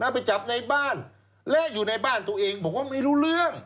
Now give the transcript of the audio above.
ไปจับในบ้านและอยู่ในบ้านตัวเองบอกว่าไม่รู้เรื่อง